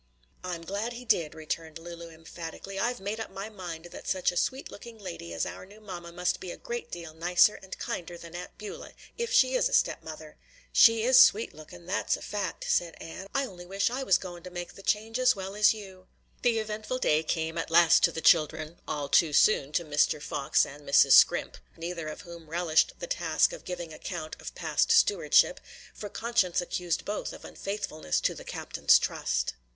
"I'm glad he did," returned Lulu emphatically. "I've made up my mind that such a sweet looking lady as our new mamma must be a great deal nicer and kinder than Aunt Beulah, if she is a step mother." "She is sweet lookin', that's a fact," said Ann. "I only wish I was goin' to make the change as well as you." The eventful day came at last to the children; all too soon to Mr. Fox and Mrs. Scrimp, neither of whom relished the task of giving account of past stewardship; for conscience accused both of unfaithfulness to the captain's trust.